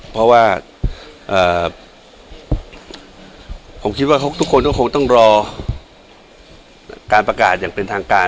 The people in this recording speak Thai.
เพราะว่าผมคิดว่าทุกคนก็คงต้องรอการประกาศอย่างเป็นทางการ